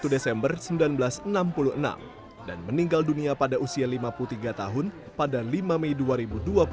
satu desember seribu sembilan ratus enam puluh enam dan meninggal dunia pada usia lima puluh tiga tahun pada lima mei dua ribu dua puluh